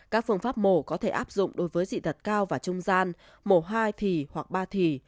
các phương pháp mổ có thể áp dụng đối với dị tật cao và trung gian mổ hai thì hoặc ba thì